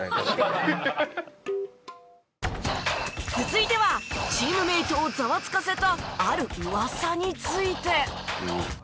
続いてはチームメイトをザワつかせたある噂について。